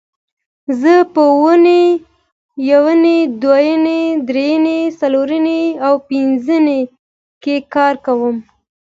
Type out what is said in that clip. زه په اونۍ یونۍ دونۍ درېنۍ څلورنۍ او پبنځنۍ کې کار کوم